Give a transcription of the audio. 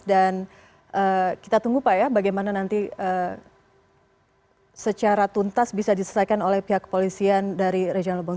dan kita tunggu pak bagaimana nanti secara tuntas bisa diselesaikan oleh pihak kepolisian dari regen labung